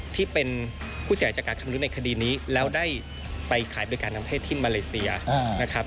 ที่เป็นผู้เสียหายจากการคำนวลในคดีนี้แล้วได้ไปขายบริการทางเพศที่มาเลเซียนะครับ